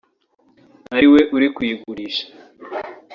ari we uri kuyigurisha